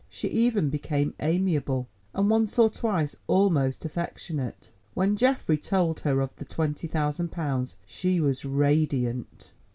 She even became amiable, and once or twice almost affectionate. When Geoffrey told her of the twenty thousand pounds she was radiant.